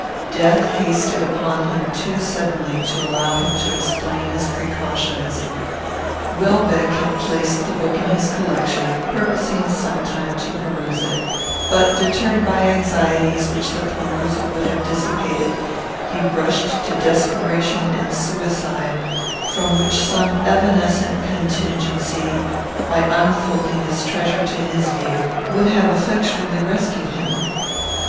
Death hasted upon him too suddenly to allow him to explain his precautions. Welbeck had placed the book in his collection, purposing some time to peruse it; but, deterred by anxieties which the perusal would have dissipated, he rushed to desperation and suicide, from which some evanescent contingency, by unfolding this treasure to his view, would have effectually rescued him.